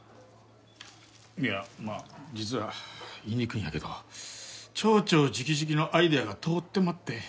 いやまあ実は言いにくいんやけど町長直々のアイデアが通ってまって。